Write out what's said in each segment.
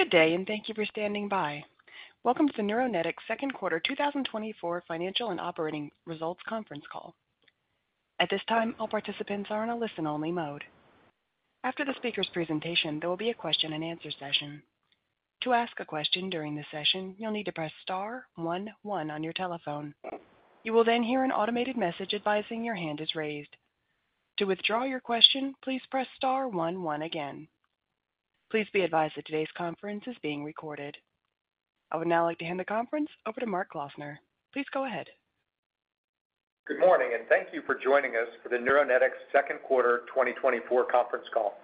Good day, and thank you for standing by. Welcome to Neuronetics second quarter 2024 financial and operating results conference call. At this time, all participants are on a listen-only mode. After the speaker's presentation, there will be a question-and-answer session. To ask a question during the session, you'll need to press star one one on your telephone. You will then hear an automated message advising your hand is raised. To withdraw your question, please press star one one again. Please be advised that today's conference is being recorded. I would now like to hand the conference over to Mark Klausner. Please go ahead. Good morning, and thank you for joining us for the Neuronetics second quarter 2024 conference call.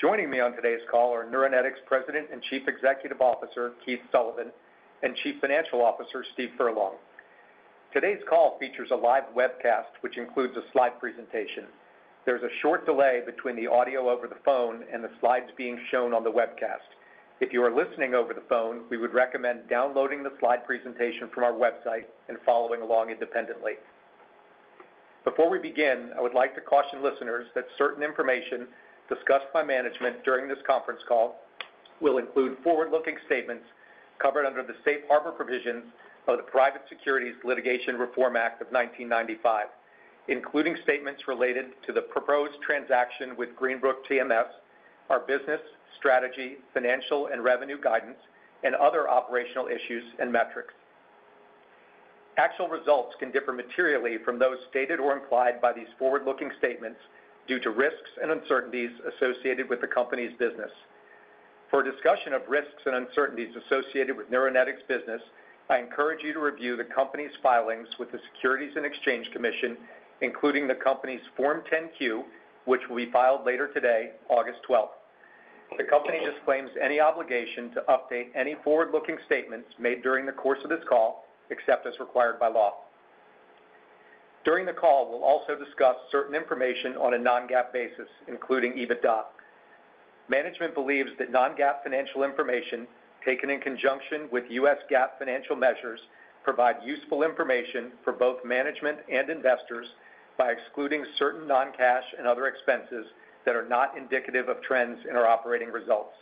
Joining me on today's call are Neuronetics President and Chief Executive Officer, Keith Sullivan, and Chief Financial Officer, Steve Furlong. Today's call features a live webcast, which includes a slide presentation. There's a short delay between the audio over the phone and the slides being shown on the webcast. If you are listening over the phone, we would recommend downloading the slide presentation from our website and following along independently. Before we begin, I would like to caution listeners that certain information discussed by management during this conference call will include forward-looking statements covered under the Safe Harbor Provisions of the Private Securities Litigation Reform Act of 1995, including statements related to the proposed transaction with Greenbrook TMS, our business, strategy, financial and revenue guidance, and other operational issues and metrics. Actual results can differ materially from those stated or implied by these forward-looking statements due to risks and uncertainties associated with the company's business. For a discussion of risks and uncertainties associated with Neuronetics business, I encourage you to review the company's filings with the Securities and Exchange Commission, including the company's Form 10-Q, which will be filed later today, August 12th. The company disclaims any obligation to update any forward-looking statements made during the course of this call, except as required by law. During the call, we'll also discuss certain information on a non-GAAP basis, including EBITDA. Management believes that non-GAAP financial information, taken in conjunction with U.S. GAAP financial measures, provide useful information for both management and investors by excluding certain non-cash and other expenses that are not indicative of trends in our operating results.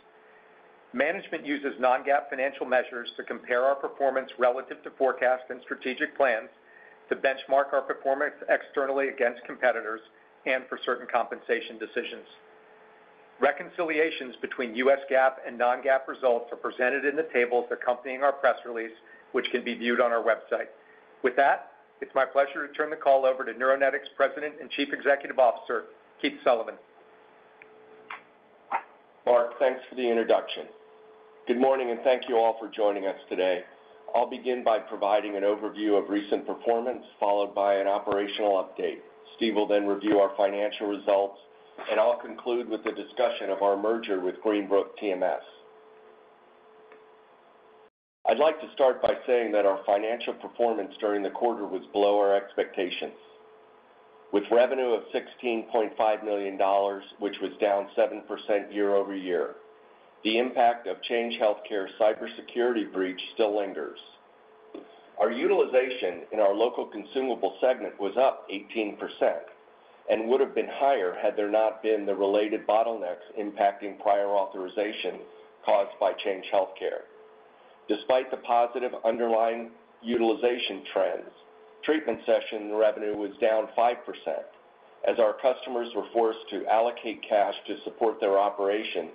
Management uses non-GAAP financial measures to compare our performance relative to forecasts and strategic plans, to benchmark our performance externally against competitors and for certain compensation decisions. Reconciliations between U.S. GAAP and non-GAAP results are presented in the tables accompanying our press release, which can be viewed on our website. With that, it's my pleasure to turn the call over to Neuronetics President and Chief Executive Officer, Keith Sullivan. Mark, thanks for the introduction. Good morning, and thank you all for joining us today. I'll begin by providing an overview of recent performance, followed by an operational update. Steve will then review our financial results, and I'll conclude with the discussion of our merger with Greenbrook TMS. I'd like to start by saying that our financial performance during the quarter was below our expectations. With revenue of $16.5 million, which was down 7% year-over-year, the impact of Change Healthcare cybersecurity breach still lingers. Our utilization in our NeuroStar consumable segment was up 18% and would have been higher had there not been the related bottlenecks impacting prior authorization caused by Change Healthcare. Despite the positive underlying utilization trends, treatment session revenue was down 5%, as our customers were forced to allocate cash to support their operations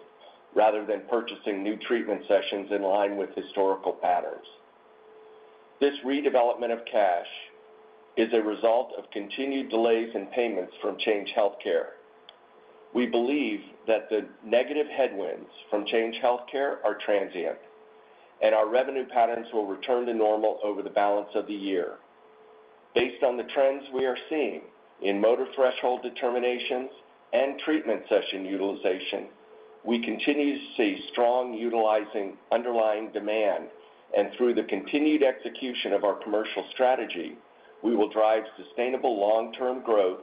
rather than purchasing new treatment sessions in line with historical patterns. This redeployment of cash is a result of continued delays in payments from Change Healthcare. We believe that the negative headwinds from Change Healthcare are transient, and our revenue patterns will return to normal over the balance of the year. Based on the trends we are seeing in motor threshold determinations and treatment session utilization, we continue to see strong utilizing underlying demand, and through the continued execution of our commercial strategy, we will drive sustainable long-term growth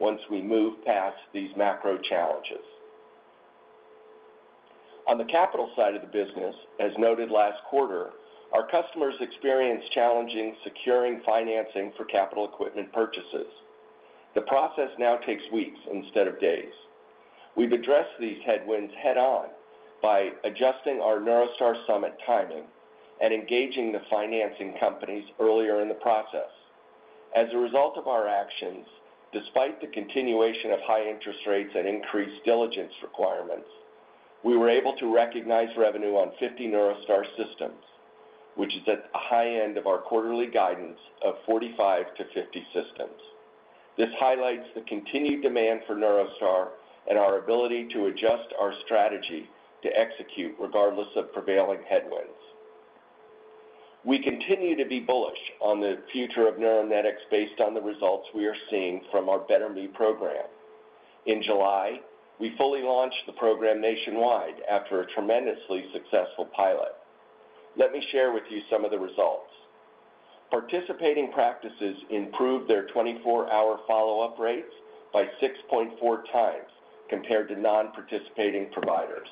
once we move past these macro challenges. On the capital side of the business, as noted last quarter, our customers experienced challenging securing financing for capital equipment purchases. The process now takes weeks instead of days. We've addressed these headwinds head-on by adjusting our NeuroStar Summit timing and engaging the financing companies earlier in the process. As a result of our actions, despite the continuation of high interest rates and increased diligence requirements, we were able to recognize revenue on 50 NeuroStar systems, which is at the high end of our quarterly guidance of 45-50 systems. This highlights the continued demand for NeuroStar and our ability to adjust our strategy to execute regardless of prevailing headwinds. We continue to be bullish on the future of Neuronetics based on the results we are seeing from our Better Me program. In July, we fully launched the program nationwide after a tremendously successful pilot. Let me share with you some of the results. Participating practices improved their 24-hour follow-up rates by 6.4x compared to non-participating providers.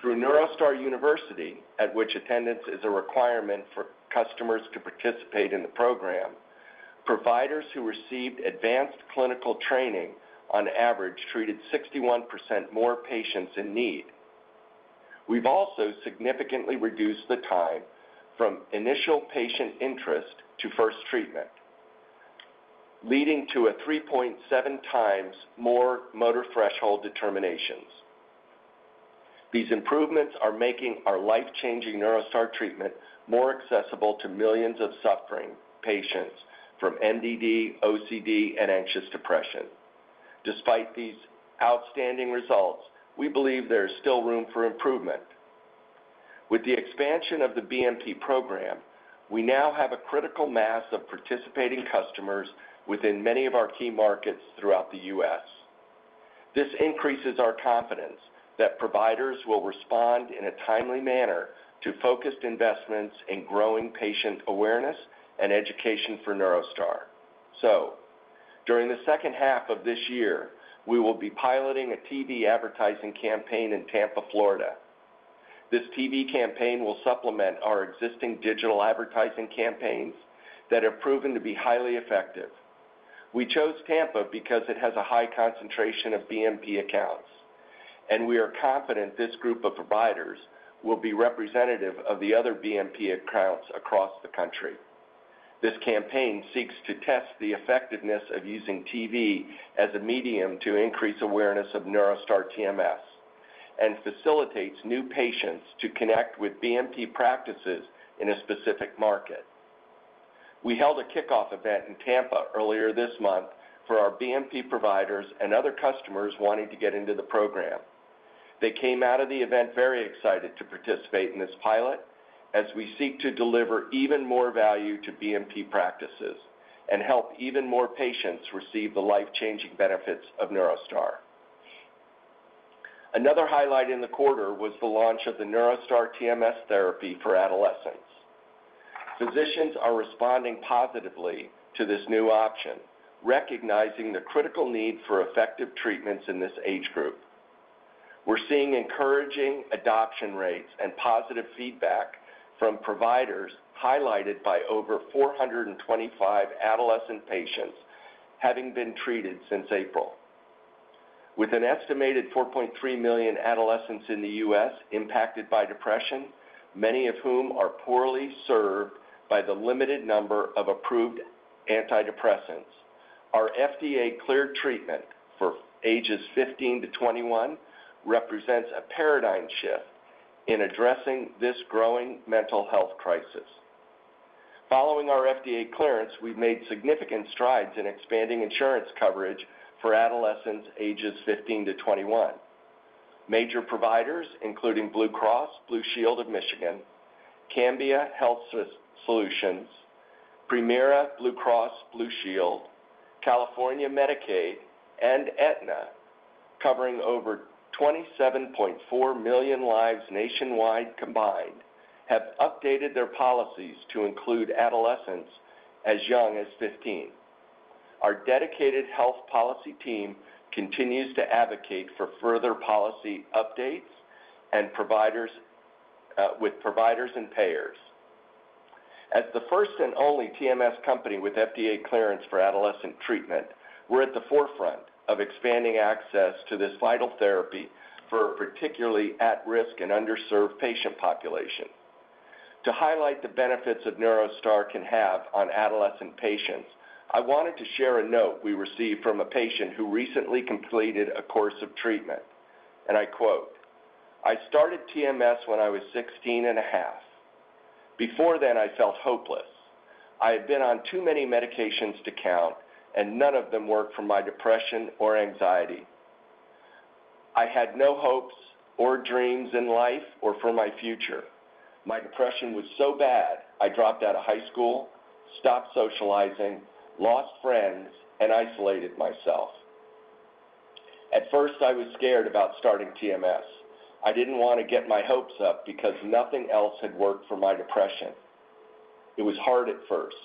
Through NeuroStar University, at which attendance is a requirement for customers to participate in the program, providers who received advanced clinical training, on average, treated 61% more patients in need. We've also significantly reduced the time from initial patient interest to first treatment, leading to 3.7x more motor threshold determinations. These improvements are making our life-changing NeuroStar treatment more accessible to millions of suffering patients from MDD, OCD, and anxious depression. Despite these outstanding results, we believe there is still room for improvement. With the expansion of the BMP program, we now have a critical mass of participating customers within many of our key markets throughout the U.S. This increases our confidence that providers will respond in a timely manner to focused investments in growing patient awareness and education for NeuroStar. During the second half of this year, we will be piloting a TV advertising campaign in Tampa, Florida. This TV campaign will supplement our existing digital advertising campaigns that have proven to be highly effective. We chose Tampa because it has a high concentration of BMP accounts, and we are confident this group of providers will be representative of the other BMP accounts across the country. This campaign seeks to test the effectiveness of using TV as a medium to increase awareness of NeuroStar TMS and facilitates new patients to connect with BMP practices in a specific market. We held a kickoff event in Tampa earlier this month for our BMP providers and other customers wanting to get into the program. They came out of the event very excited to participate in this pilot as we seek to deliver even more value to BMP practices and help even more patients receive the life-changing benefits of NeuroStar. Another highlight in the quarter was the launch of the NeuroStar TMS therapy for adolescents. Physicians are responding positively to this new option, recognizing the critical need for effective treatments in this age group. We're seeing encouraging adoption rates and positive feedback from providers, highlighted by over 425 adolescent patients having been treated since April. With an estimated 4.3 million adolescents in the U.S. impacted by depression, many of whom are poorly served by the limited number of approved antidepressants, our FDA-cleared treatment for ages 15-21 represents a paradigm shift in addressing this growing mental health crisis. Following our FDA clearance, we've made significant strides in expanding insurance coverage for adolescents ages 15-21. Major providers, including Blue Cross Blue Shield of Michigan, Cambia Health Solutions, Premera Blue Cross Blue Shield, California Medicaid, and Aetna, covering over 27.4 million lives nationwide combined, have updated their policies to include adolescents as young as 15. Our dedicated health policy team continues to advocate for further policy updates and providers, with providers and payers. As the first and only TMS company with FDA clearance for adolescent treatment, we're at the forefront of expanding access to this vital therapy for a particularly at-risk and underserved patient population. To highlight the benefits of NeuroStar can have on adolescent patients, I wanted to share a note we received from a patient who recently completed a course of treatment. And I quote, "I started TMS when I was 16.5. Before then, I felt hopeless. I had been on too many medications to count, and none of them worked for my depression or anxiety. I had no hopes or dreams in life or for my future. My depression was so bad I dropped out of high school, stopped socializing, lost friends, and isolated myself. At first, I was scared about starting TMS. I didn't want to get my hopes up because nothing else had worked for my depression. It was hard at first,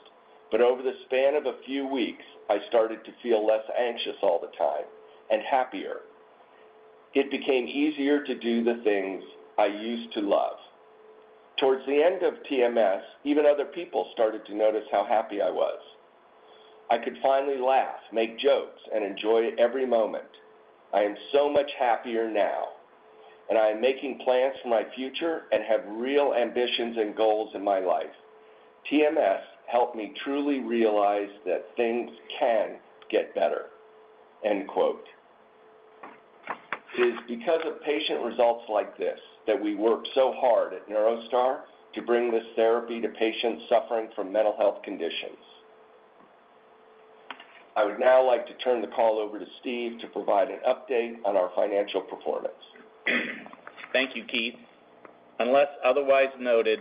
but over the span of a few weeks, I started to feel less anxious all the time and happier. It became easier to do the things I used to love. Toward the end of TMS, even other people started to notice how happy I was. I could finally laugh, make jokes, and enjoy every moment. I am so much happier now, and I am making plans for my future and have real ambitions and goals in my life. TMS helped me truly realize that things can get better." End quote. It is because of patient results like this that we work so hard at NeuroStar to bring this therapy to patients suffering from mental health conditions. I would now like to turn the call over to Steve to provide an update on our financial performance. Thank you, Keith. Unless otherwise noted,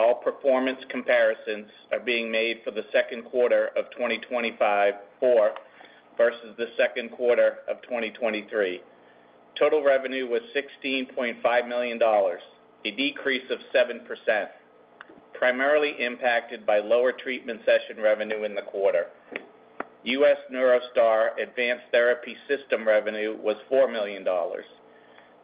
all performance comparisons are being made for the second quarter of 2025 or versus the second quarter of 2023. Total revenue was $16.5 million, a decrease of 7%, primarily impacted by lower treatment session revenue in the quarter. U.S. NeuroStar Advanced Therapy system revenue was $4 million.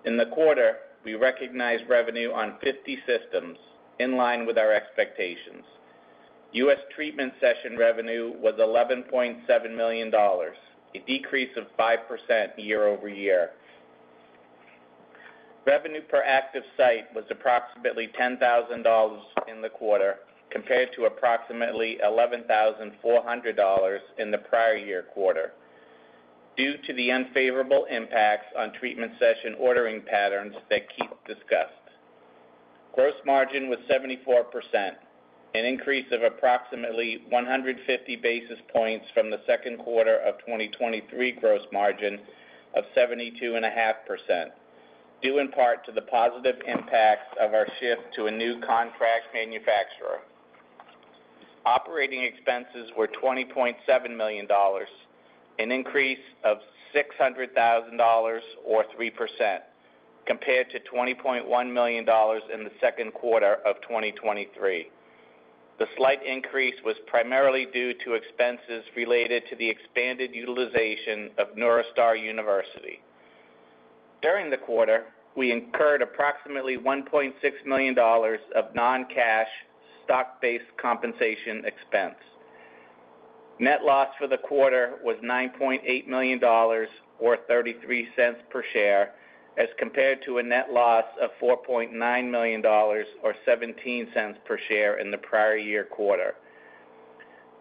In the quarter, we recognized revenue on 50 systems, in line with our expectations. U.S. treatment session revenue was $11.7 million, a decrease of 5% year-over-year. Revenue per active site was approximately $10,000 in the quarter, compared to approximately $11,400 in the prior year quarter, due to the unfavorable impacts on treatment session ordering patterns that Keith discussed. Gross margin was 74%, an increase of approximately 150 basis points from the second quarter of 2023 gross margin of 72.5%, due in part to the positive impacts of our shift to a new contract manufacturer. Operating expenses were $20.7 million, an increase of $600,000 or 3%, compared to $20.1 million in the second quarter of 2023. The slight increase was primarily due to expenses related to the expanded utilization of NeuroStar University. During the quarter, we incurred approximately $1.6 million of non-cash stock-based compensation expense. Net loss for the quarter was $9.8 million, or $0.33 per share, as compared to a net loss of $4.9 million, or $0.17 per share in the prior year quarter.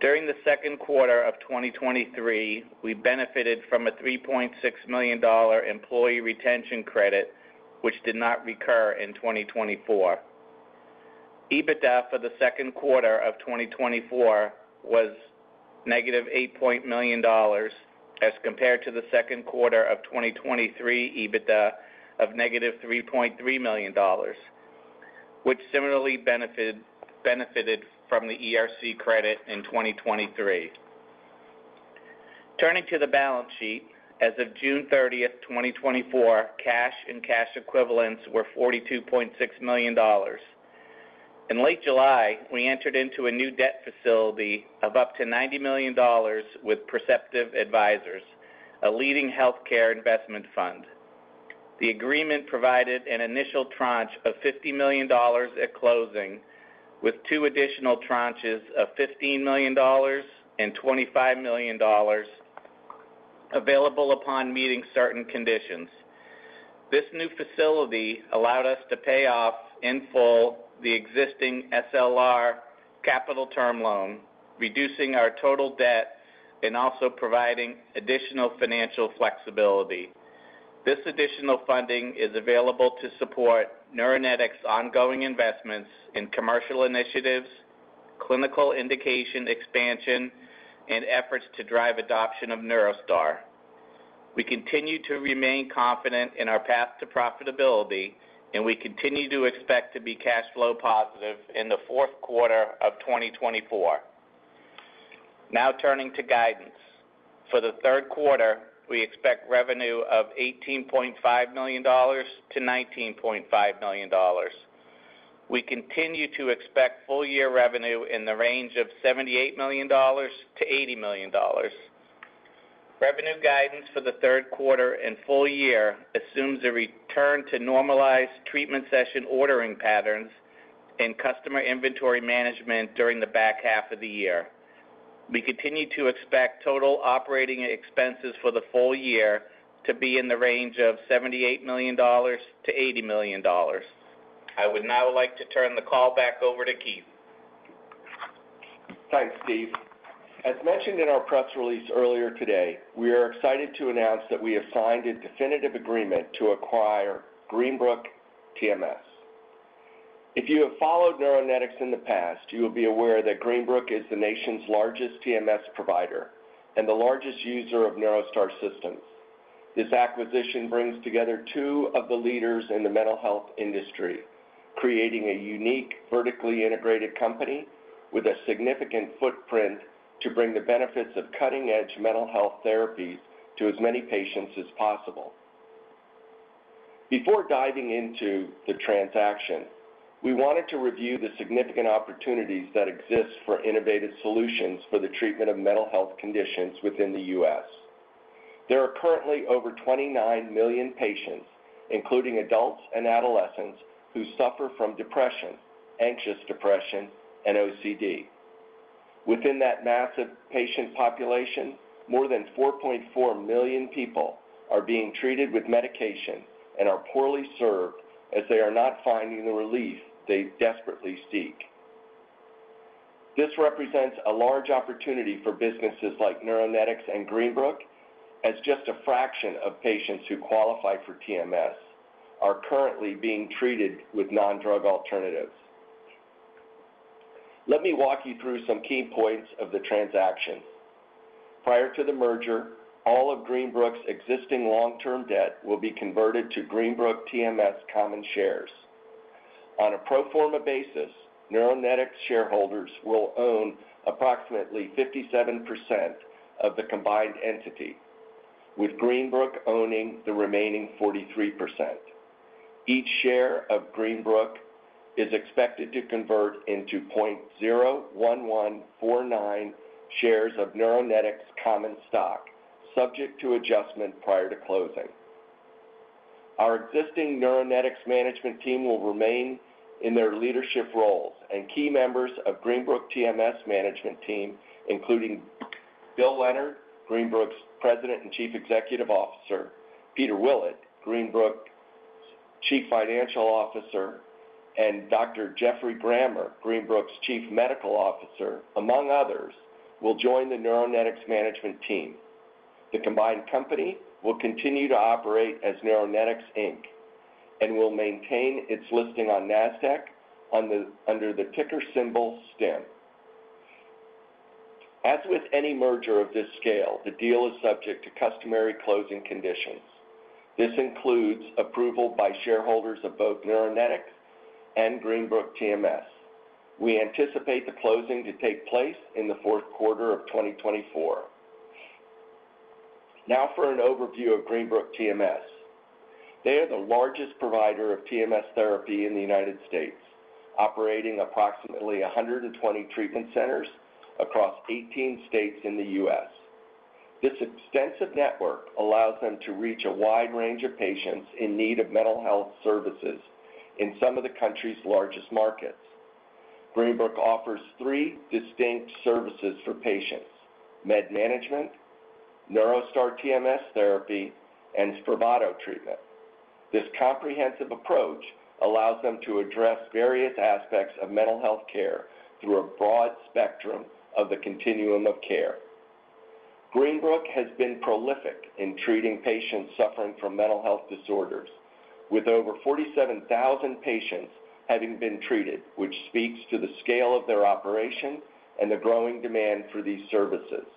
During the second quarter of 2023, we benefited from a $3.6 million employee retention credit, which did not recur in 2024. EBITDA for the second quarter of 2024 was -$8 million, as compared to the second quarter of 2023 EBITDA of -$3.3 million, which similarly benefited from the ERC credit in 2023. Turning to the balance sheet, as of June thirtieth, 2024, cash and cash equivalents were $42.6 million. In late July, we entered into a new debt facility of up to $90 million with Perceptive Advisors, a leading healthcare investment fund. The agreement provided an initial tranche of $50 million at closing, with two additional tranches of $15 million and $25 million available upon meeting certain conditions. This new facility allowed us to pay off in full the existing SLR Capital term loan, reducing our total debt and also providing additional financial flexibility. This additional funding is available to support Neuronetics' ongoing investments in commercial initiatives, clinical indication expansion, and efforts to drive adoption of NeuroStar. We continue to remain confident in our path to profitability, and we continue to expect to be cash flow positive in the fourth quarter of 2024. Now turning to guidance. For the third quarter, we expect revenue of $18.5 million-$19.5 million. We continue to expect full year revenue in the range of $78 million-$80 million. Revenue guidance for the third quarter and full year assumes a return to normalized treatment session ordering patterns and customer inventory management during the back half of the year. We continue to expect total operating expenses for the full year to be in the range of $78 million-$80 million. I would now like to turn the call back over to Keith. Thanks, Steve. As mentioned in our press release earlier today, we are excited to announce that we have signed a definitive agreement to acquire Greenbrook TMS. If you have followed Neuronetics in the past, you will be aware that Greenbrook is the nation's largest TMS provider and the largest user of NeuroStar systems. This acquisition brings together two of the leaders in the mental health industry, creating a unique, vertically integrated company with a significant footprint to bring the benefits of cutting-edge mental health therapies to as many patients as possible. Before diving into the transaction, we wanted to review the significant opportunities that exist for innovative solutions for the treatment of mental health conditions within the U.S. There are currently over 29 million patients, including adults and adolescents, who suffer from depression, anxious depression and OCD. Within that massive patient population, more than 4.4 million people are being treated with medication and are poorly served, as they are not finding the relief they desperately seek. This represents a large opportunity for businesses like Neuronetics and Greenbrook, as just a fraction of patients who qualify for TMS are currently being treated with non-drug alternatives. Let me walk you through some key points of the transaction. Prior to the merger, all of Greenbrook's existing long-term debt will be converted to Greenbrook TMS common shares. On a pro forma basis, Neuronetics shareholders will own approximately 57% of the combined entity, with Greenbrook owning the remaining 43%.... Each share of Greenbrook is expected to convert into 0.01149 shares of Neuronetics common stock, subject to adjustment prior to closing. Our existing Neuronetics management team will remain in their leadership roles, and key members of Greenbrook TMS management team, including Bill Leonard, Greenbrook's President and Chief Executive Officer, Peter Willett, Greenbrook's Chief Financial Officer, and Dr. Geoffrey Grammer, Greenbrook's Chief Medical Officer, among others, will join the Neuronetics management team. The combined company will continue to operate as Neuronetics Inc, and will maintain its listing on NASDAQ under the ticker symbol STIM. As with any merger of this scale, the deal is subject to customary closing conditions. This includes approval by shareholders of both Neuronetics and Greenbrook TMS. We anticipate the closing to take place in the fourth quarter of 2024. Now for an overview of Greenbrook TMS. They are the largest provider of TMS therapy in the United States, operating approximately 120 treatment centers across 18 states in the U.S. This extensive network allows them to reach a wide range of patients in need of mental health services in some of the country's largest markets. Greenbrook offers three distinct services for patients: med management, NeuroStar TMS therapy, and Spravato treatment. This comprehensive approach allows them to address various aspects of mental health care through a broad spectrum of the continuum of care. Greenbrook has been prolific in treating patients suffering from mental health disorders, with over 47,000 patients having been treated, which speaks to the scale of their operation and the growing demand for these services.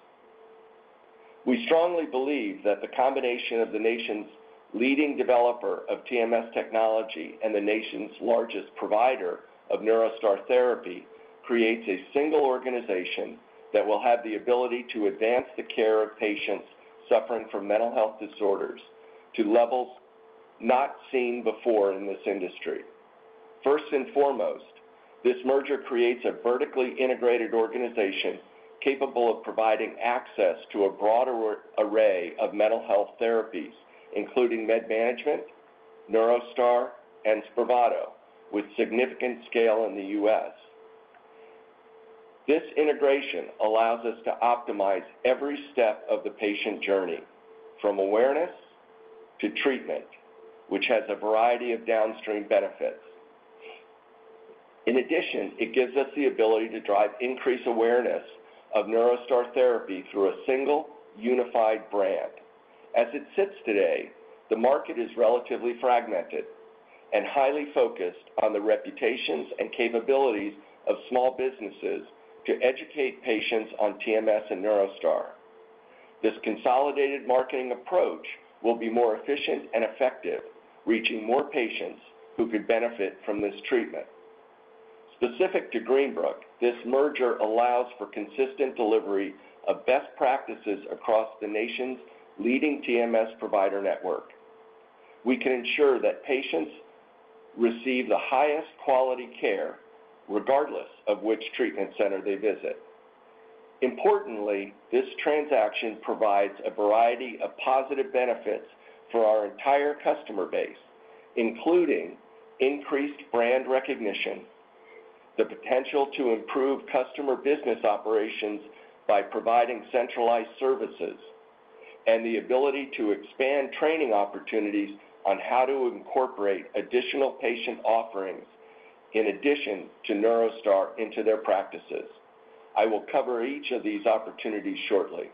We strongly believe that the combination of the nation's leading developer of TMS technology and the nation's largest provider of NeuroStar therapy creates a single organization that will have the ability to advance the care of patients suffering from mental health disorders to levels not seen before in this industry. First and foremost, this merger creates a vertically integrated organization capable of providing access to a broader array of mental health therapies, including med management, NeuroStar, and Spravato, with significant scale in the U.S. This integration allows us to optimize every step of the patient journey, from awareness to treatment, which has a variety of downstream benefits. In addition, it gives us the ability to drive increased awareness of NeuroStar therapy through a single, unified brand. As it sits today, the market is relatively fragmented and highly focused on the reputations and capabilities of small businesses to educate patients on TMS and NeuroStar. This consolidated marketing approach will be more efficient and effective, reaching more patients who could benefit from this treatment. Specific to Greenbrook, this merger allows for consistent delivery of best practices across the nation's leading TMS provider network. We can ensure that patients receive the highest quality care, regardless of which treatment center they visit. Importantly, this transaction provides a variety of positive benefits for our entire customer base, including increased brand recognition, the potential to improve customer business operations by providing centralized services, and the ability to expand training opportunities on how to incorporate additional patient offerings in addition to NeuroStar into their practices. I will cover each of these opportunities shortly.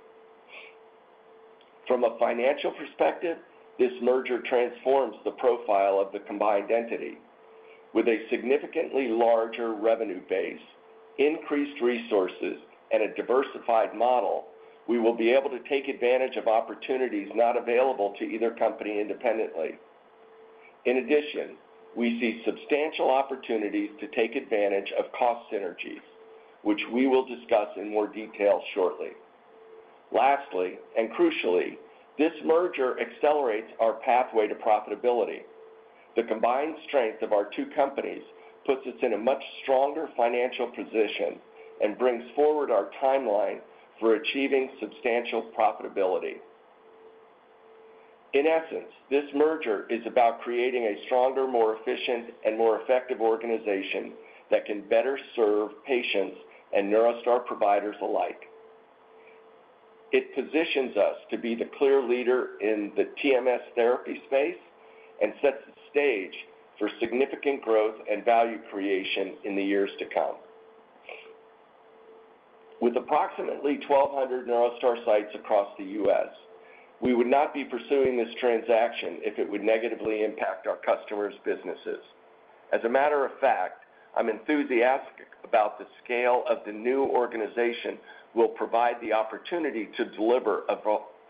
From a financial perspective, this merger transforms the profile of the combined entity. With a significantly larger revenue base, increased resources, and a diversified model, we will be able to take advantage of opportunities not available to either company independently. In addition, we see substantial opportunities to take advantage of cost synergies, which we will discuss in more detail shortly. Lastly, and crucially, this merger accelerates our pathway to profitability. The combined strength of our two companies puts us in a much stronger financial position and brings forward our timeline for achieving substantial profitability. In essence, this merger is about creating a stronger, more efficient, and more effective organization that can better serve patients and NeuroStar providers alike. It positions us to be the clear leader in the TMS therapy space and sets the stage for significant growth and value creation in the years to come. With approximately 1,200 NeuroStar sites across the U.S., we would not be pursuing this transaction if it would negatively impact our customers' businesses. As a matter of fact, I'm enthusiastic about the scale of the new organization will provide the opportunity to deliver a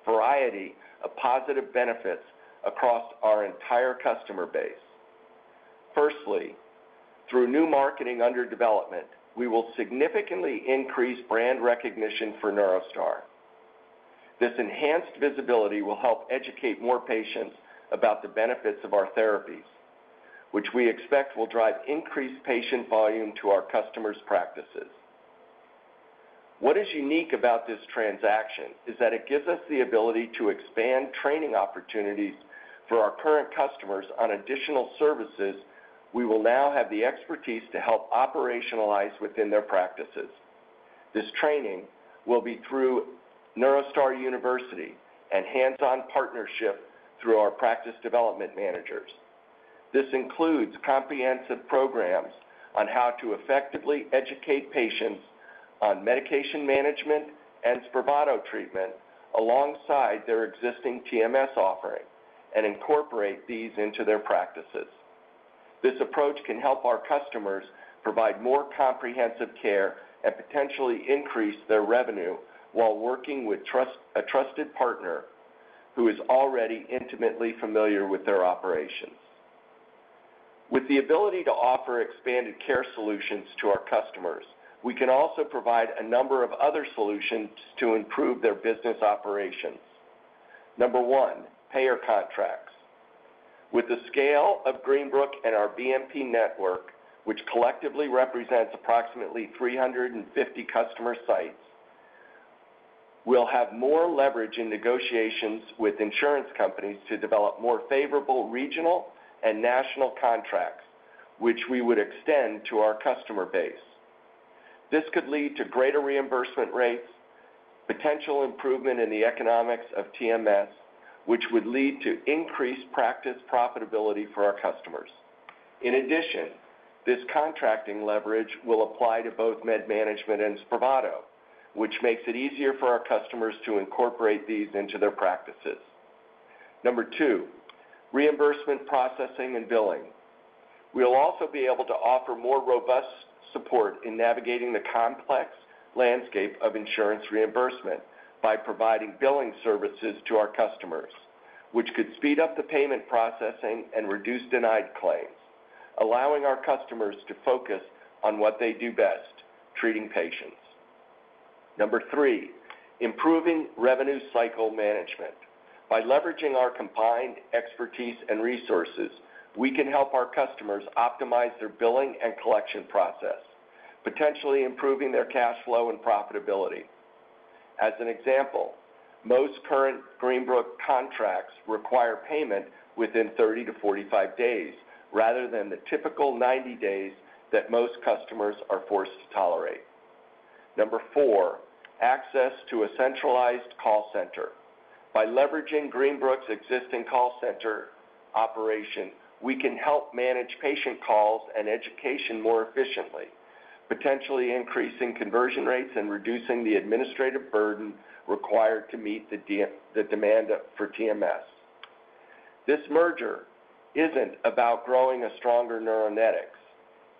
variety of positive benefits across our entire customer base. Firstly, through new marketing under development, we will significantly increase brand recognition for NeuroStar.... This enhanced visibility will help educate more patients about the benefits of our therapies, which we expect will drive increased patient volume to our customers' practices. What is unique about this transaction is that it gives us the ability to expand training opportunities for our current customers on additional services we will now have the expertise to help operationalize within their practices. This training will be through NeuroStar University and hands-on partnership through our practice development managers. This includes comprehensive programs on how to effectively educate patients on medication management and Spravato treatment alongside their existing TMS offering and incorporate these into their practices. This approach can help our customers provide more comprehensive care and potentially increase their revenue while working with a trusted partner who is already intimately familiar with their operations. With the ability to offer expanded care solutions to our customers, we can also provide a number of other solutions to improve their business operations. Number one, payer contracts. With the scale of Greenbrook and our BMP network, which collectively represents approximately 350 customer sites, we'll have more leverage in negotiations with insurance companies to develop more favorable regional and national contracts, which we would extend to our customer base. This could lead to greater reimbursement rates, potential improvement in the economics of TMS, which would lead to increased practice profitability for our customers. In addition, this contracting leverage will apply to both med management and Spravato, which makes it easier for our customers to incorporate these into their practices. Number two, reimbursement, processing, and billing. We'll also be able to offer more robust support in navigating the complex landscape of insurance reimbursement by providing billing services to our customers, which could speed up the payment processing and reduce denied claims, allowing our customers to focus on what they do best, treating patients. Number three, improving revenue cycle management. By leveraging our combined expertise and resources, we can help our customers optimize their billing and collection process, potentially improving their cash flow and profitability. As an example, most current Greenbrook contracts require payment within 30-45 days, rather than the typical 90 days that most customers are forced to tolerate. Number four, access to a centralized call center. By leveraging Greenbrook's existing call center operation, we can help manage patient calls and education more efficiently, potentially increasing conversion rates and reducing the administrative burden required to meet the demand for TMS. This merger isn't about growing a stronger Neuronetics,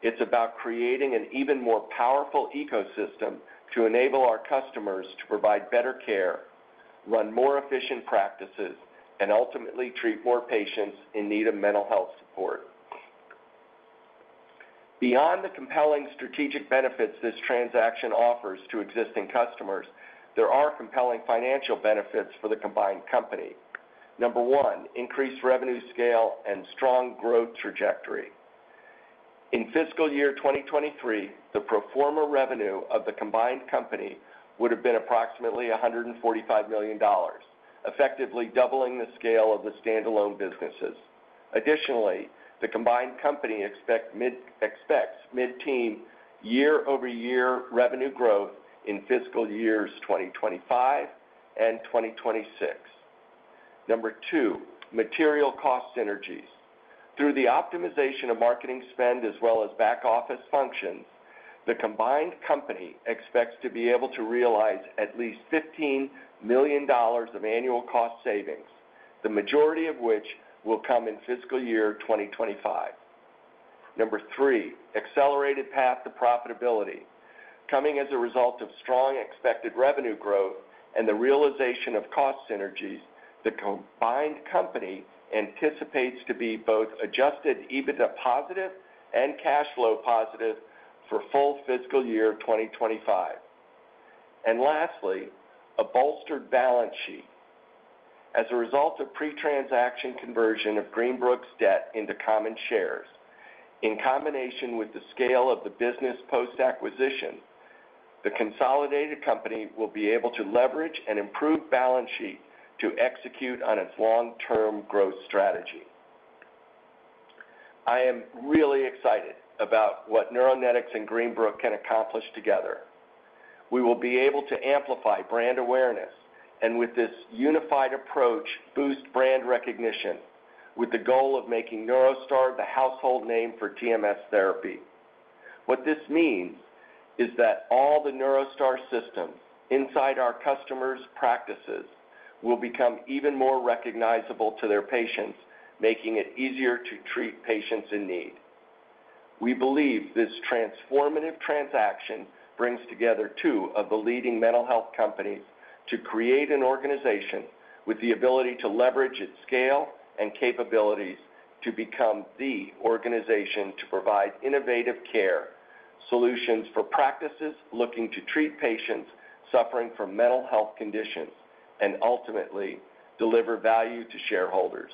it's about creating an even more powerful ecosystem to enable our customers to provide better care, run more efficient practices, and ultimately treat more patients in need of mental health support. Beyond the compelling strategic benefits this transaction offers to existing customers, there are compelling financial benefits for the combined company. Number one, increased revenue scale and strong growth trajectory. In fiscal year 2023, the pro forma revenue of the combined company would have been approximately $145 million, effectively doubling the scale of the standalone businesses. Additionally, the combined company expects mid-teens year-over-year revenue growth in fiscal years 2025 and 2026. Number two, material cost synergies. Through the optimization of marketing spend as well as back-office functions, the combined company expects to be able to realize at least $15 million of annual cost savings, the majority of which will come in fiscal year 2025. Number three, accelerated path to profitability. Coming as a result of strong expected revenue growth and the realization of cost synergies, the combined company anticipates to be both Adjusted EBITDA positive and cash flow positive for full fiscal year 2025. And lastly, a bolstered balance sheet. As a result of pre-transaction conversion of Greenbrook's debt into common shares, in combination with the scale of the business post-acquisition, the consolidated company will be able to leverage an improved balance sheet to execute on its long-term growth strategy. I am really excited about what Neuronetics and Greenbrook can accomplish together. We will be able to amplify brand awareness, and with this unified approach, boost brand recognition, with the goal of making NeuroStar the household name for TMS therapy. What this means is that all the NeuroStar systems inside our customers' practices will become even more recognizable to their patients, making it easier to treat patients in need. We believe this transformative transaction brings together two of the leading mental health companies to create an organization with the ability to leverage its scale and capabilities to become the organization to provide innovative care... solutions for practices looking to treat patients suffering from mental health conditions and ultimately deliver value to shareholders.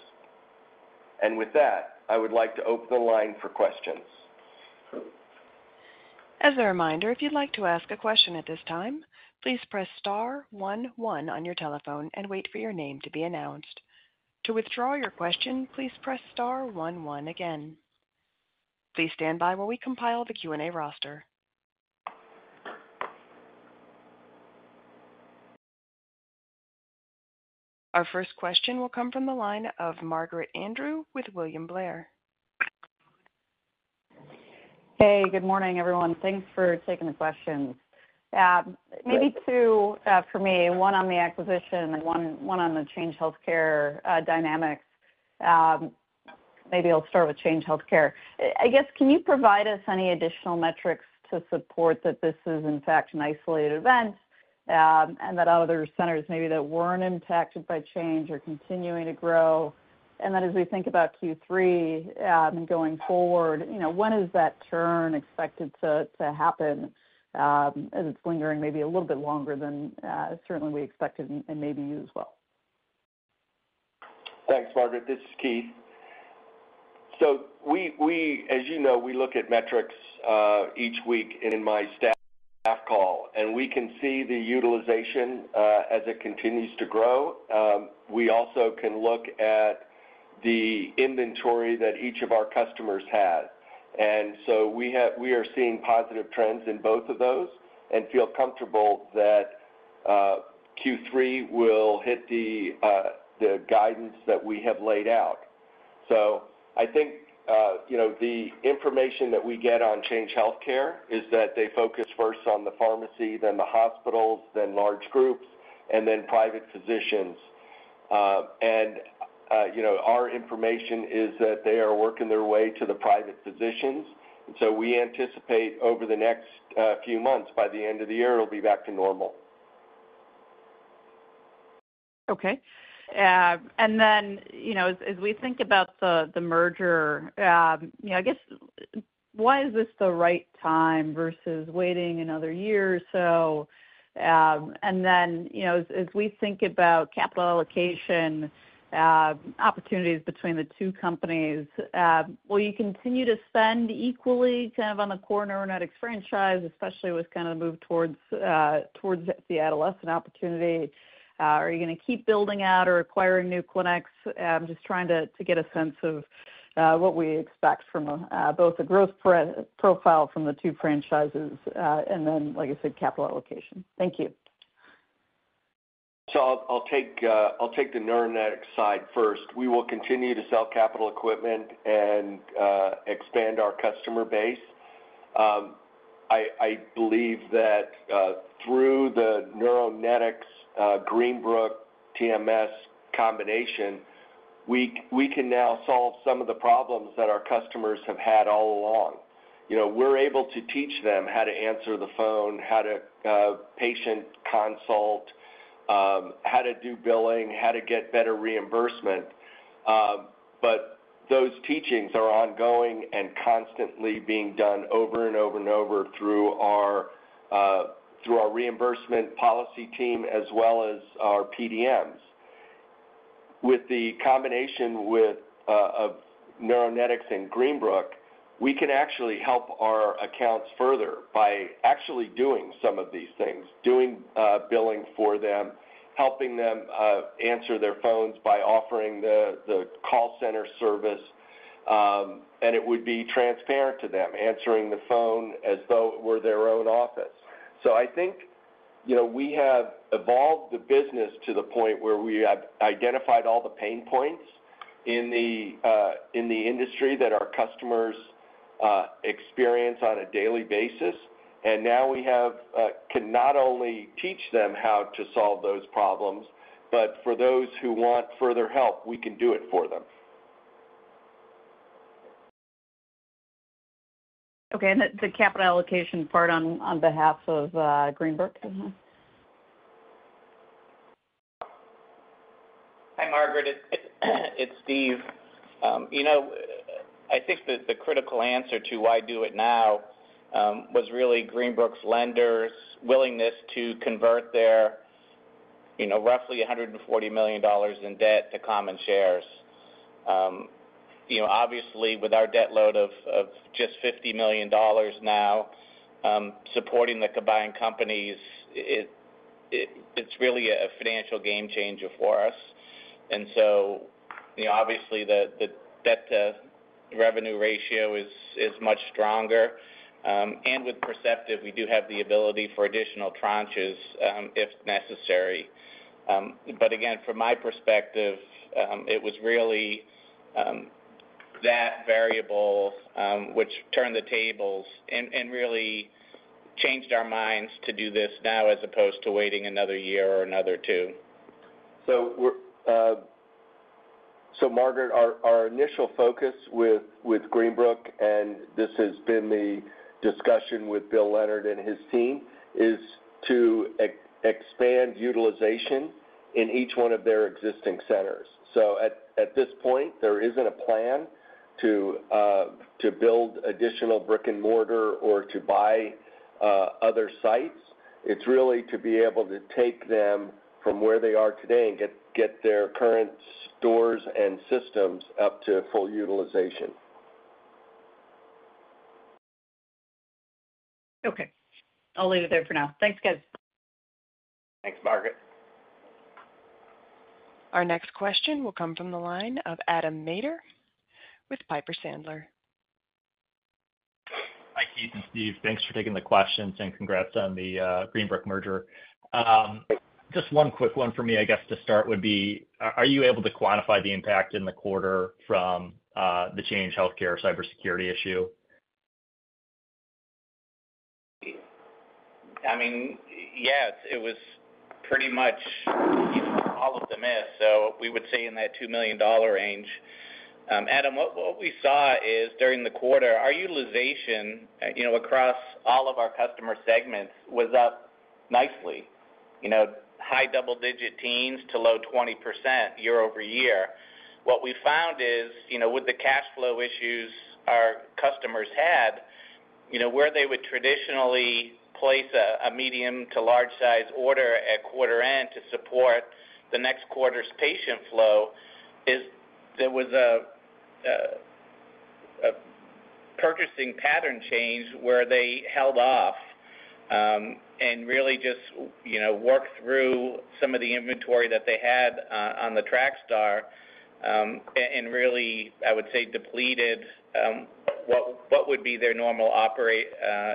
With that, I would like to open the line for questions. As a reminder, if you'd like to ask a question at this time, please press star one, one on your telephone and wait for your name to be announced. To withdraw your question, please press star one, one again. Please stand by while we compile the Q&A roster. Our first question will come from the line of Margaret Andrew, with William Blair. Hey, good morning, everyone. Thanks for taking the questions. Maybe two for me, one on the acquisition and one on the Change Healthcare dynamics. Maybe I'll start with Change Healthcare. I guess, can you provide us any additional metrics to support that this is, in fact, an isolated event, and that other centers maybe that weren't impacted by Change are continuing to grow? And then as we think about Q3 and going forward, you know, when is that turn expected to happen, as it's lingering maybe a little bit longer than certainly we expected and maybe you as well? Thanks, Margaret. This is Keith. So we, as you know, we look at metrics each week in my staff call, and we can see the utilization as it continues to grow. We also can look at the inventory that each of our customers has. And so we are seeing positive trends in both of those and feel comfortable that Q3 will hit the guidance that we have laid out. So I think you know, the information that we get on Change Healthcare is that they focus first on the pharmacy, then the hospitals, then large groups, and then private physicians. And you know, our information is that they are working their way to the private physicians, and so we anticipate over the next few months, by the end of the year, it'll be back to normal. Okay. And then, you know, as we think about the merger, you know, I guess, why is this the right time versus waiting another year or so? And then, you know, as we think about capital allocation, opportunities between the two companies, will you continue to spend equally kind of on the core Neuronetics franchise, especially with kind of the move towards the adolescent opportunity? Are you gonna keep building out or acquiring new clinics? Just trying to get a sense of what we expect from both the growth profile from the two franchises, and then, like I said, capital allocation. Thank you. So I'll take the Neuronetics side first. We will continue to sell capital equipment and expand our customer base. I believe that through the Neuronetics Greenbrook TMS combination, we can now solve some of the problems that our customers have had all along. You know, we're able to teach them how to answer the phone, how to patient consult, how to do billing, how to get better reimbursement. But those teachings are ongoing and constantly being done over and over and over through our reimbursement policy team, as well as our PDMs. With the combination of Neuronetics and Greenbrook, we can actually help our accounts further by actually doing some of these things, doing billing for them, helping them answer their phones by offering the call center service, and it would be transparent to them, answering the phone as though it were their own office. So I think, you know, we have evolved the business to the point where we have identified all the pain points in the industry that our customers experience on a daily basis. And now we can not only teach them how to solve those problems, but for those who want further help, we can do it for them. Okay, and the capital allocation part on behalf of Greenbrook, mm-hmm? Hi, Margaret. It's Steve. You know, I think the critical answer to why do it now was really Greenbrook's lenders' willingness to convert their, you know, roughly $140 million in debt to common shares. You know, obviously, with our debt load of just $50 million now supporting the combined companies, it's really a financial game changer for us. And so, you know, obviously, the debt to revenue ratio is much stronger. And with Perceptive, we do have the ability for additional tranches if necessary. But again, from my perspective, it was really that variable which turned the tables and really changed our minds to do this now, as opposed to waiting another year or another two. So Margaret, our initial focus with Greenbrook, and this has been the discussion with Bill Leonard and his team, is to expand utilization.... in each one of their existing centers. So at this point, there isn't a plan to build additional brick-and-mortar or to buy other sites. It's really to be able to take them from where they are today and get their current stores and systems up to full utilization. Okay. I'll leave it there for now. Thanks, guys. Thanks, Margaret. Our next question will come from the line of Adam Maeder with Piper Sandler. Hi, Keith and Steve. Thanks for taking the questions, and congrats on the Greenbrook merger. Just one quick one for me, I guess, to start would be, are you able to quantify the impact in the quarter from the Change Healthcare cybersecurity issue? I mean, yes, it was pretty much, you know, all of the miss, so we would say in that $2 million range. Adam, what we saw is, during the quarter, our utilization, you know, across all of our customer segments was up nicely. You know, high double-digit teens to low 20% year-over-year. What we found is, you know, with the cash flow issues our customers had, you know, where they would traditionally place a purchasing pattern change where they held off, and really just, you know, worked through some of the inventory that they had on the TrakStar, and really, I would say, depleted what would be their normal operating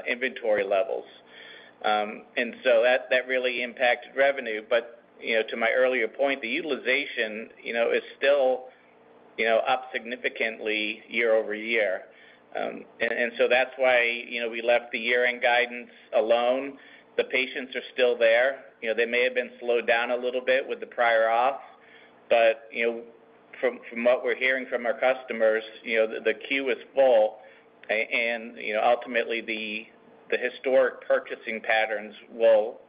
inventory levels. And so that really impacted revenue. But, you know, to my earlier point, the utilization, you know, is still, you know, up significantly year-over-year. And so that's why, you know, we left the year-end guidance alone. The patients are still there. You know, they may have been slowed down a little bit with the prior auths, but, you know, from what we're hearing from our customers, you know, the queue is full and, you know, ultimately, the historic purchasing patterns will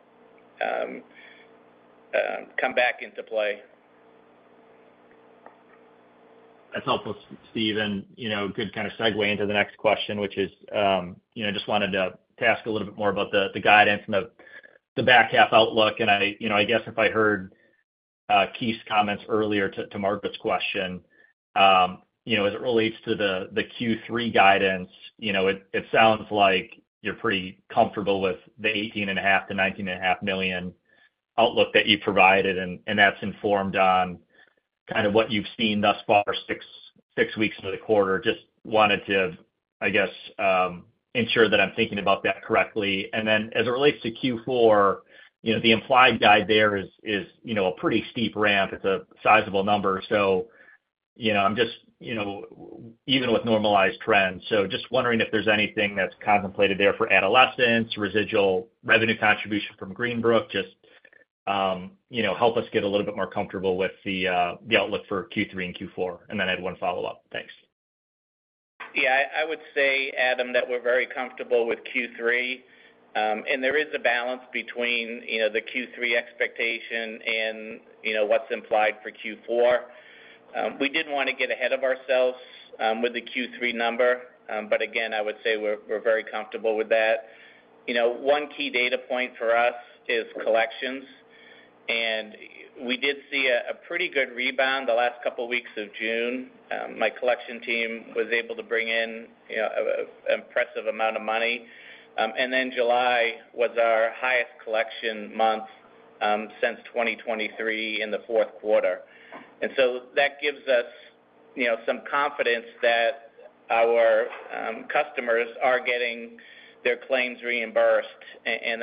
come back into play. That's helpful, Steve, and, you know, good kind of segue into the next question, which is, you know, just wanted to ask a little bit more about the guidance and the back half outlook. And I, you know, I guess if I heard Keith's comments earlier to Margaret's question, you know, as it relates to the Q3 guidance, you know, it sounds like you're pretty comfortable with the $18.5 million-$19.5 million outlook that you provided, and that's informed on kind of what you've seen thus far, six weeks into the quarter. Just wanted to, I guess, ensure that I'm thinking about that correctly. And then, as it relates to Q4, you know, the implied guide there is, you know, a pretty steep ramp. It's a sizable number. So, you know, I'm just, you know, even with normalized trends, so just wondering if there's anything that's contemplated there for adolescents, residual revenue contribution from Greenbrook. Just, you know, help us get a little bit more comfortable with the outlook for Q3 and Q4. And then I had one follow-up. Thanks. Yeah, I would say, Adam, that we're very comfortable with Q3. And there is a balance between, you know, the Q3 expectation and, you know, what's implied for Q4. We didn't want to get ahead of ourselves with the Q3 number. But again, I would say we're very comfortable with that. You know, one key data point for us is collections, and we did see a pretty good rebound the last couple weeks of June. My collection team was able to bring in, you know, an impressive amount of money. And then July was our highest collection month since 2023 in the fourth quarter. And so that gives us, you know, some confidence that our customers are getting their claims reimbursed, and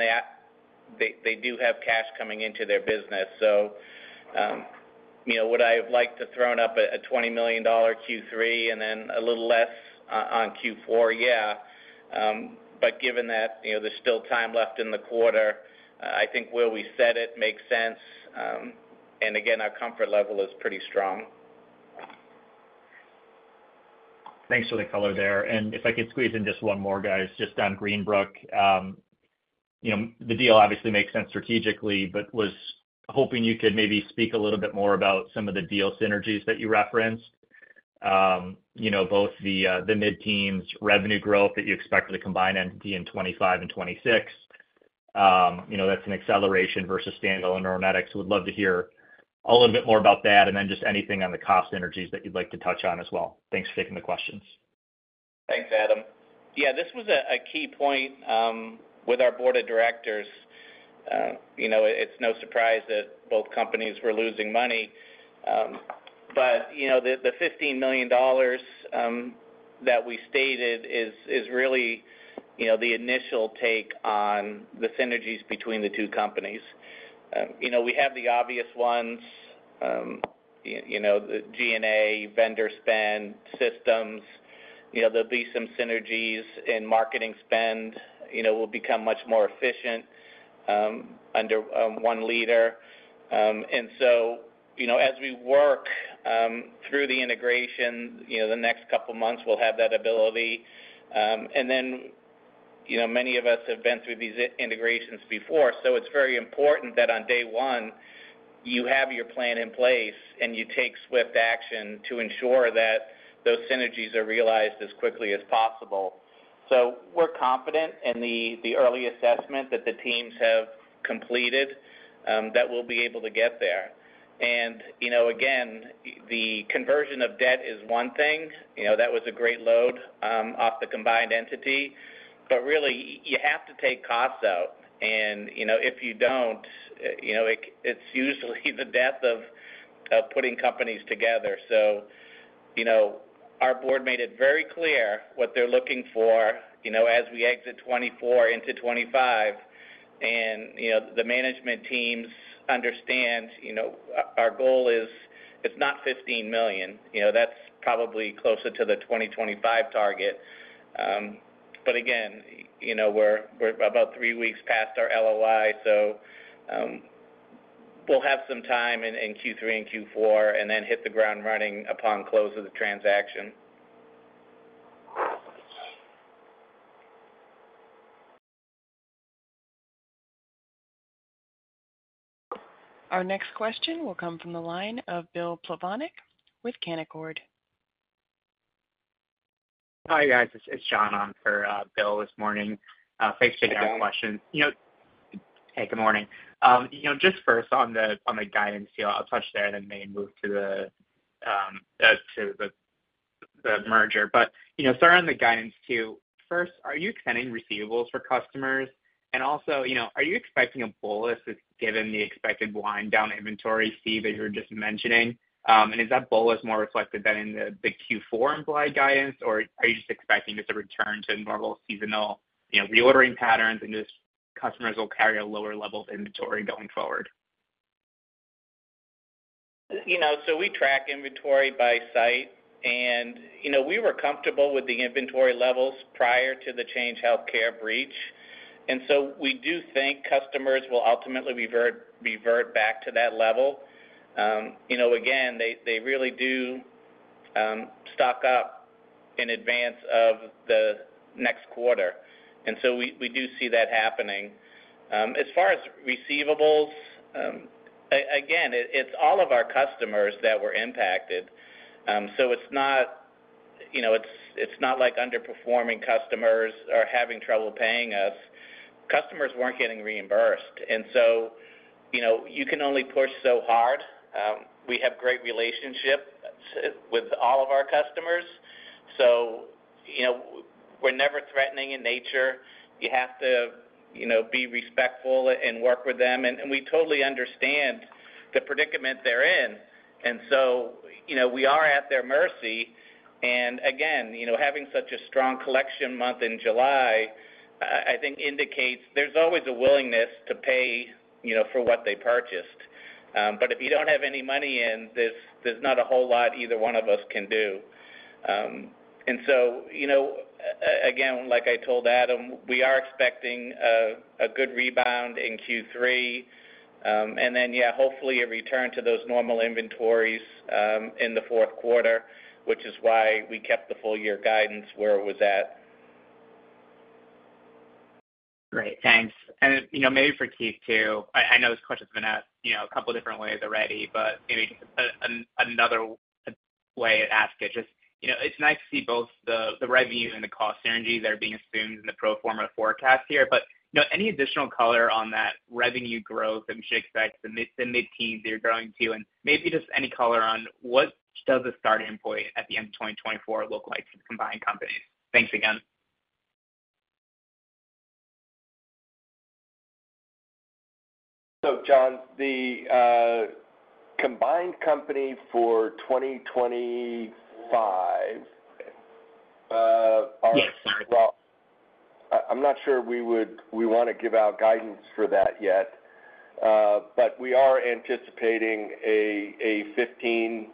they do have cash coming into their business. So, you know, would I have liked to thrown up a $20 million Q3 and then a little less on Q4? Yeah. But given that, you know, there's still time left in the quarter, I think where we said it makes sense. And again, our comfort level is pretty strong. Thanks for the color there. And if I could squeeze in just one more, guys, just on Greenbrook. You know, the deal obviously makes sense strategically, but was hoping you could maybe speak a little bit more about some of the deal synergies that you referenced. You know, both the mid-teens revenue growth that you expect for the combined entity in 2025 and 2026. You know, that's an acceleration versus standalone Neuronetics. Would love to hear a little bit more about that, and then just anything on the cost synergies that you'd like to touch on as well. Thanks for taking the questions. Thanks, Adam. Yeah, this was a key point with our Board of Directors. You know, it's no surprise that both companies were losing money. But you know, the $15 million that we stated is really you know, the initial take on the synergies between the two companies. You know, we have the obvious ones, you know, the G&A, vendor spend, systems. You know, there'll be some synergies, and marketing spend, you know, will become much more efficient under one leader. And so you know, as we work through the integration, you know, the next couple of months, we'll have that ability. And then, you know, many of us have been through these integrations before, so it's very important that on day one, you have your plan in place and you take swift action to ensure that those synergies are realized as quickly as possible. So we're confident in the early assessment that the teams have completed that we'll be able to get there. And, you know, again, the conversion of debt is one thing. You know, that was a great load off the combined entity, but really, you have to take costs out, and, you know, if you don't, you know, it's usually the death of putting companies together. So, you know, our board made it very clear what they're looking for, you know, as we exit 2024 into 2025, and, you know, the management teams understand, you know, our goal is, it's not $15 million, you know, that's probably closer to the 2025 target. But again, you know, we're about three weeks past our LOI, so, we'll have some time in Q3 and Q4, and then hit the ground running upon close of the transaction. Our next question will come from the line of Bill Plovanic with Canaccord. Hi, guys. It's John on for Bill this morning. Thanks for taking our question. You know. Hey, good morning. You know, just first on the guidance deal, I'll touch there and then may move to the merger. But you know, start on the guidance too. First, are you extending receivables for customers? And also, you know, are you expecting a build-up given the expected wind-down of inventory build that you were just mentioning? And is that build-up more reflective than in the Q4 implied guidance, or are you just expecting just a return to normal seasonal, you know, reordering patterns, and just customers will carry a lower level of inventory going forward? You know, so we track inventory by site, and, you know, we were comfortable with the inventory levels prior to the Change Healthcare breach, and so we do think customers will ultimately revert, revert back to that level. You know, again, they really do stock up in advance of the next quarter, and so we do see that happening. As far as receivables, again, it's all of our customers that were impacted. So it's not, you know, it's not like underperforming customers are having trouble paying us. Customers weren't getting reimbursed, and so, you know, you can only push so hard. We have great relationships with all of our customers, so, you know, we're never threatening in nature. You have to, you know, be respectful and work with them, and we totally understand the predicament they're in. You know, we are at their mercy. Again, you know, having such a strong collection month in July, I think indicates there's always a willingness to pay, you know, for what they purchased. But if you don't have any money in, there's not a whole lot either one of us can do. Again, like I told Adam, we are expecting a good rebound in Q3, and then hopefully a return to those normal inventories in the fourth quarter, which is why we kept the full year guidance where it was at. Great, thanks. And, you know, maybe for Keith, too. I, I know this question's been asked, you know, a couple different ways already, but maybe just another way to ask it. Just, you know, it's nice to see both the, the revenue and the cost synergies that are being assumed in the pro forma forecast here, but, you know, any additional color on that revenue growth that we should expect, the mid-teens that you're growing to, and maybe just any color on what does the starting point at the end of 2024 look like for the combined company? Thanks again. So, John, the combined company for 2025, are- Yes, sorry. Well, I'm not sure we would wanna give out guidance for that yet. But we are anticipating 15...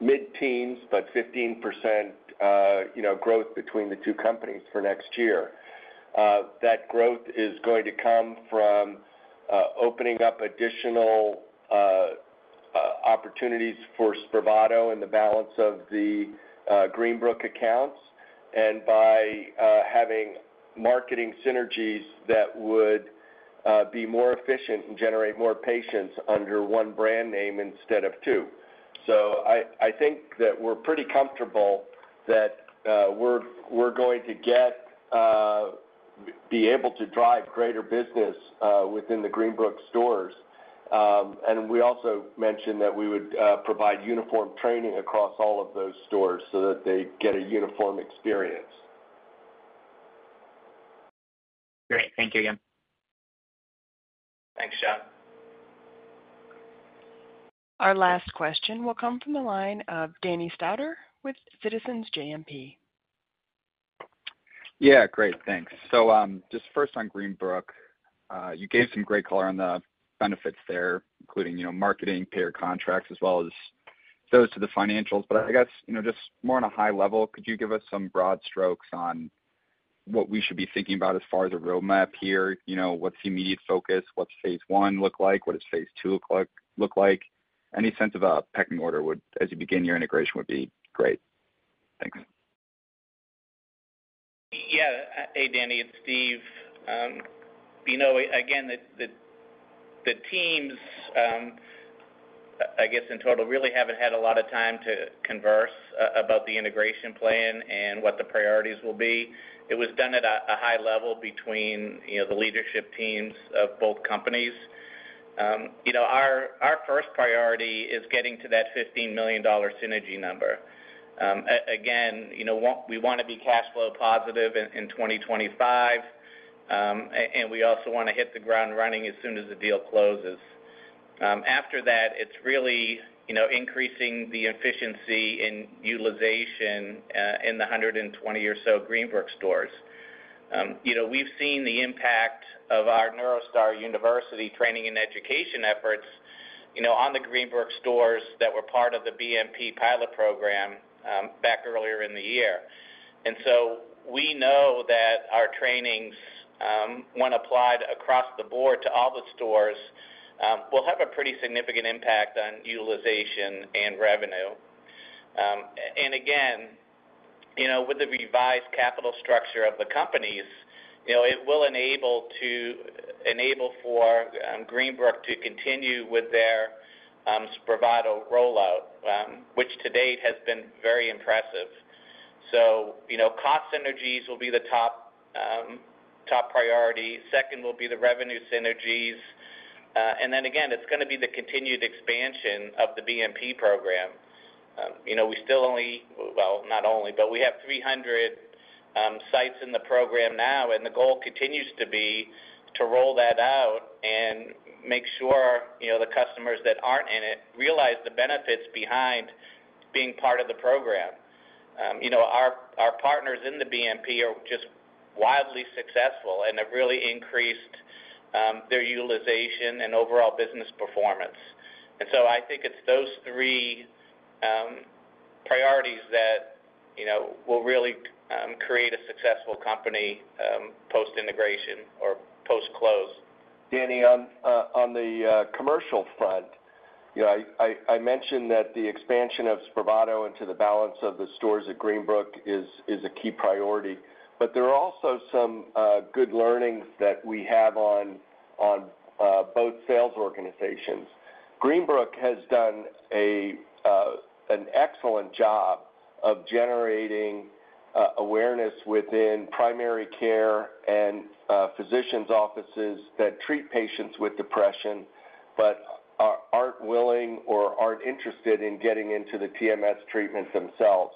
mid-teens, but 15%, you know, growth between the two companies for next year. That growth is going to come from opening up additional opportunities for Spravato and the balance of the Greenbrook accounts, and by having marketing synergies that would be more efficient and generate more patients under one brand name instead of two. So I think that we're pretty comfortable that we're going to be able to drive greater business within the Greenbrook stores. And we also mentioned that we would provide uniform training across all of those stores so that they get a uniform experience. Great. Thank you again. Thanks, John. Our last question will come from the line of Danny Stauder with Citizens JMP. Yeah, great, thanks. So, just first on Greenbrook. You gave some great color on the benefits there, including, you know, marketing, payer contracts, as well as those to the financials. But I guess, you know, just more on a high level, could you give us some broad strokes on what we should be thinking about as far as a roadmap here? You know, what's the immediate focus? What's phase one look like? What does phase two look like? Any sense of a pecking order would be great as you begin your integration. Thanks. Yeah. Hey, Danny, it's Steve. You know, again, the teams, I guess, in total, really haven't had a lot of time to converse about the integration plan and what the priorities will be. It was done at a high level between, you know, the leadership teams of both companies. You know, our first priority is getting to that $15 million synergy number. Again, you know, we wanna be cash flow positive in 2025, and we also wanna hit the ground running as soon as the deal closes. After that, it's really, you know, increasing the efficiency and utilization in the 120 or so Greenbrook stores. You know, we've seen the impact of our NeuroStar University training and education efforts, you know, on the Greenbrook stores that were part of the BMP pilot program, back earlier in the year. And so we know that our trainings, when applied across the board to all the stores, will have a pretty significant impact on utilization and revenue. And again, you know, with the revised capital structure of the companies, you know, it will enable for Greenbrook to continue with their Spravato rollout, which to date has been very impressive. So, you know, cost synergies will be the top priority. Second will be the revenue synergies, and then again, it's gonna be the continued expansion of the BMP program. You know, we still only—well, not only, but we have 300 sites in the program now, and the goal continues to be to roll that out and make sure, you know, the customers that aren't in it realize the benefits behind being part of the program. You know, our partners in the BMP are just wildly successful and have really increased their utilization and overall business performance. And so I think it's those three priorities that, you know, will really create a successful company post-integration or post-close. Danny, on the commercial front, you know, I mentioned that the expansion of Spravato into the balance of the stores at Greenbrook is a key priority, but there are also some good learnings that we have on both sales organizations. Greenbrook has done an excellent job of generating awareness within primary care and physicians' offices that treat patients with depression, but aren't willing or aren't interested in getting into the TMS treatment themselves.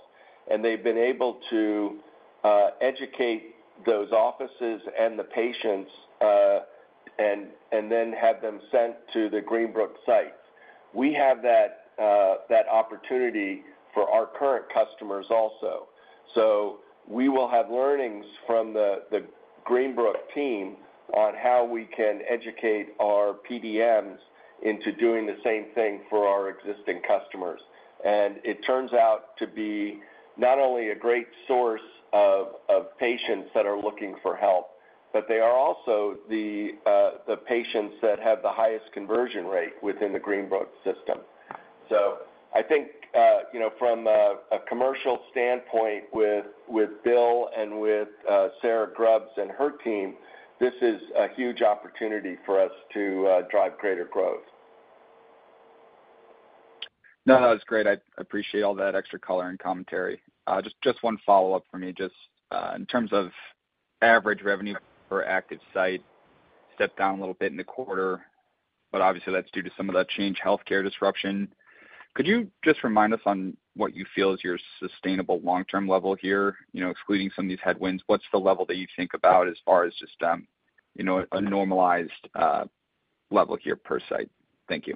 And they've been able to educate those offices and the patients and then have them sent to the Greenbrook sites. We have that opportunity for our current customers also. So we will have learnings from the Greenbrook team on how we can educate our PDMs into doing the same thing for our existing customers. And it turns out to be not only a great source of patients that are looking for help, but they are also the patients that have the highest conversion rate within the Greenbrook system. So I think, you know, from a commercial standpoint with Bill and with Sarah Grubbs and her team, this is a huge opportunity for us to drive greater growth. No, no, it's great. I appreciate all that extra color and commentary. Just, just one follow-up for me. Just, in terms of average revenue per active site, stepped down a little bit in the quarter, but obviously, that's due to some of that Change Healthcare disruption. Could you just remind us on what you feel is your sustainable long-term level here? You know, excluding some of these headwinds, what's the level that you think about as far as just, you know, a normalized, level here per site? Thank you.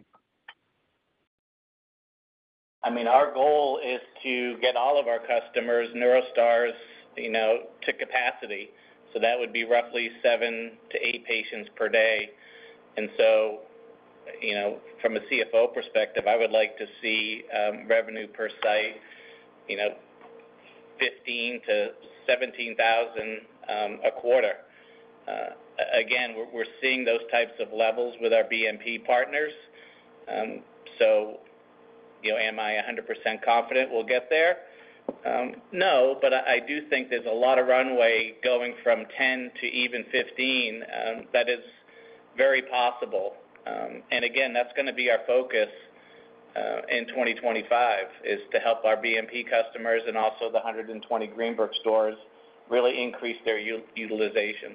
I mean, our goal is to get all of our customers, NeuroStars, you know, to capacity, so that would be roughly 7-8 patients per day. And so, you know, from a CFO perspective, I would like to see revenue per site, you know, $15,000-$17,000 a quarter. Again, we're seeing those types of levels with our BMP partners. So, you know, am I 100% confident we'll get there? No, but I do think there's a lot of runway going from 10 to even 15, that is very possible. And again, that's gonna be our focus in 2025, is to help our BMP customers and also the 120 Greenbrook stores really increase their utilization.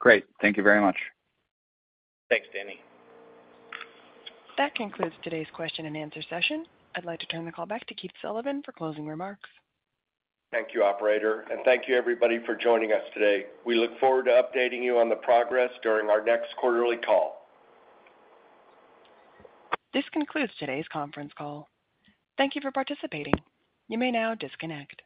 Great. Thank you very much. Thanks, Danny. That concludes today's question and answer session. I'd like to turn the call back to Keith Sullivan for closing remarks. Thank you, operator, and thank you everybody for joining us today. We look forward to updating you on the progress during our next quarterly call. This concludes today's conference call. Thank you for participating. You may now disconnect.